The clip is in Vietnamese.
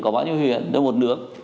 có bao nhiêu huyện đâu một nước